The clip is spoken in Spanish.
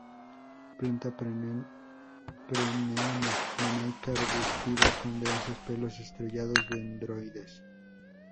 Planta perenne, monoica arbustiva con densos pelos estrellados-dendroides.